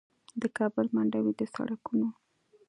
د کابل منډوي د سړکونو